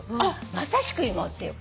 まさしく芋っていう。